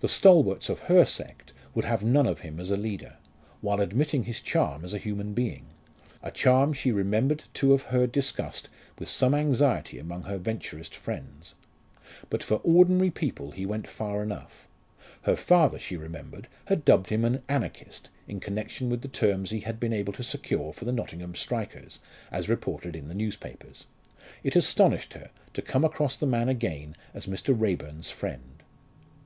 The "stalwarts" of her sect would have none of him as a leader, while admitting his charm as a human being a charm she remembered to have heard discussed with some anxiety among her Venturist friends. But for ordinary people he went far enough. Her father, she remembered, had dubbed him an "Anarchist" in connection with the terms he had been able to secure for the Nottingham strikers, as reported in the newspapers. It astonished her to come across the man again as Mr. Raeburn's friend.